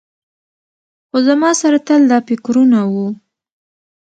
خو زما سره تل دا فکرونه وو.